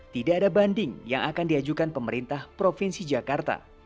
tidak ada banding yang akan diajukan pemerintah provinsi jakarta